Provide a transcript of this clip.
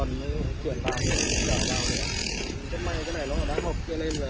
ubnd đặc biệt giúp vịnh thường xây dựng hàng hóa cho hai m siku ở tầm một km kế hoạch